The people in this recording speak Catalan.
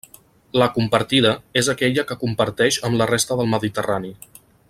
La compartida és aquella que comparteix amb la resta del mediterrani.